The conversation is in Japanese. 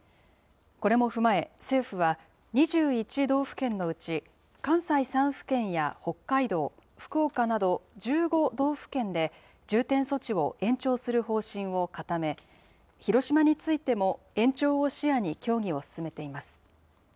これも踏まえ、政府は、２１道府県のうち、関西３府県や北海道、福岡など１５道府県で、重点措置を延長する方針を固め、広島についても、延長を視野に協議を進めています。